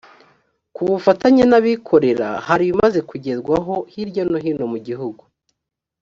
ku bufatanye n’abikorera hari ibimaze kugerwaho, hirya no hino mu gihugu